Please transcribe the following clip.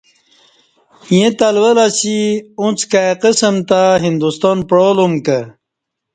ییں تلول اسی اُݩڅ کائی قسم تہ ہندستان پعالُومہ کہ